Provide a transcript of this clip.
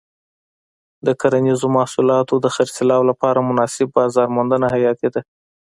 د کرنیزو محصولاتو د خرڅلاو لپاره مناسب بازار موندنه حیاتي ده.